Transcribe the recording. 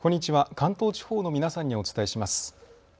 関東地方の皆さんにお伝えします。